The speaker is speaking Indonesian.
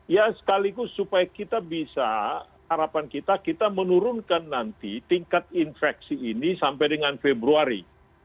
ya sekaligus supaya kita bisa harapan kita kita menurunkan nanti tingkat infeksi ini sampai dengan februari